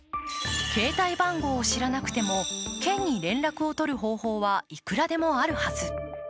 携帯番号を知らなくても県に連絡を取る方法はいくらでもあるはず。